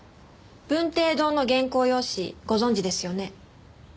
文綴堂の原稿用紙ご存じですよね？